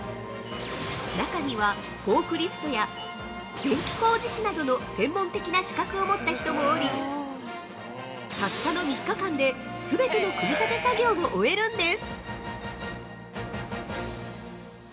中にはフォークリフトや、電気工事士などの専門的な資格を持った人もおりたったの３日間で全ての組み立て作業を終えるんです。